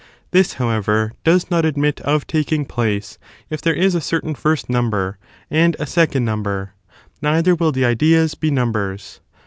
This, however, does not admit of taking place if there is a certain first number and a second number; neither will the ideas be numbers.